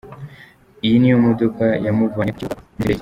iyi niyo modoka yamuvanye ku kibuga cy'indege.